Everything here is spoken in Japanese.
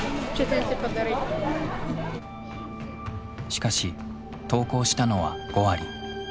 しかし登校したのは５割。